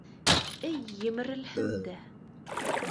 Эй, емерелһен дә!